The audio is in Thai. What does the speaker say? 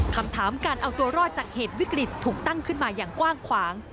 คำถามการเอาตัวรอดจากเหตุวิกฤตถูกตั้งขึ้นมาอย่างกว้างขวาง